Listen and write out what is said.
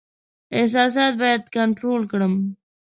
احساسات باید کنټرول کړم.